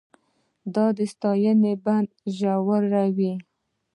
دا ستاینه بند ژوروي.